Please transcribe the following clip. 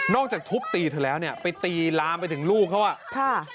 นอกจากทุบตีเธอแล้วไปตีรามไปถึงลูกเขา